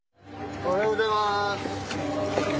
おはようございます。